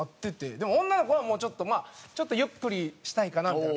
でも女の子はちょっとまあちょっとゆっくりしたいかなみたいな。